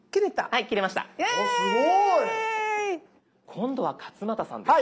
今度は勝俣さんです。